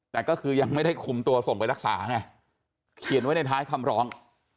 แต่ก็คือยังไม่ได้คุมตัวส่งไปรักษาไงเขียนไว้ในท้ายคำร้อง